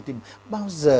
thì bao giờ